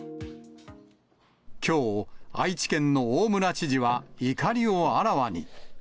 きょう、愛知県の大村知事は怒りをあらわに。